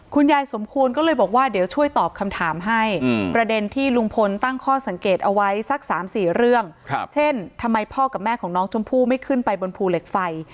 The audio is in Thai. ยายสมควรก็เลยบอกว่าเดี๋ยวช่วยตอบคำถามให้ประเด็นที่ลุงพลตั้งข้อสังเกตเอาไว้สัก๓๔เรื่องเช่นทำไมพ่อกับแม่ของน้องชมพู่ไม่ขึ้นไปบนภูเหล็กไฟ